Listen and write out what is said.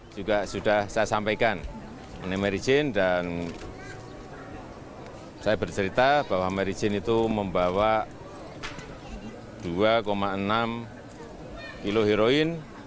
juga sudah saya sampaikan ini mary jane dan saya bercerita bahwa mary jane itu membawa dua enam kilo heroin